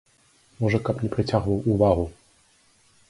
Можа, каб не прыцягваў увагу.